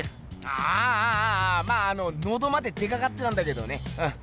あぁあああまああののどまで出かかってたんだけどねうん。